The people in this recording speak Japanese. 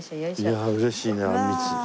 いや嬉しいねあんみつ。